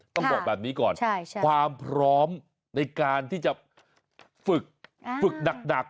ต้องบอกแบบนี้ก่อนความพร้อมในการที่จะฝึกฝึกหนัก